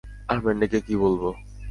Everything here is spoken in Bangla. আর ম্যান্ডিকে কী বলব?